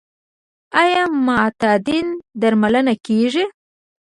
آیا معتادین درملنه کیږي؟